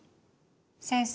先生